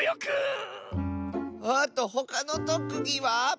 あとほかのとくぎは？